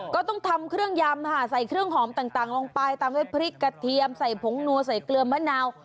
ก็ต้องทำเครื่องยำค่ะใส่เครื่องหอมต่างลงไปตามด้วยพริกกระเทียมใส่ผงนัวใส่เกลือมะนาว